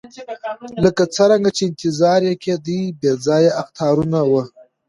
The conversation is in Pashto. لکه څرنګه چې انتظار یې کېدی بې ځایه اخطارونه وو.